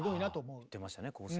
言ってましたね構成。